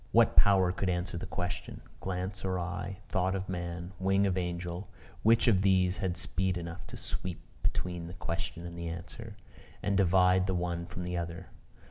What power could answer the question? Glance of eye, thought of man, wing of angel, which of these had speed enough to sweep between the question and the answer, and divide the one from the other?